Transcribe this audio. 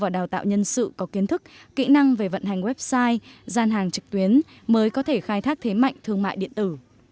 đó là những ưu điểm vượt trội của thương mại điện tử